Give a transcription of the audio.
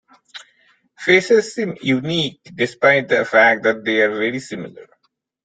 Faces seem unique despite the fact that they are very similar.